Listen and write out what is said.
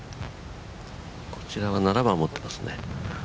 こちらは７番持ってますね。